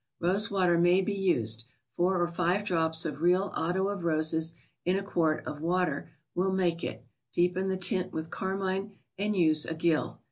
Rose water may be used ; four or five drops of real Otto of Roses in a quart of water will make it; deepen the tint with carmine, and use a gill.